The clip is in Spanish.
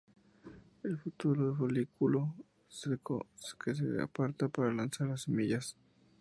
El fruto es un folículo seco que se aparta para lanzar las semillas.